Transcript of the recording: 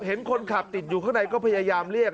เห็นคนขับติดอยู่ข้างในก็พยายามเรียก